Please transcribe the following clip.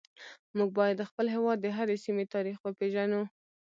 موږ باید د خپل هیواد د هرې سیمې تاریخ وپیژنو